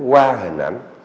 qua hình ảnh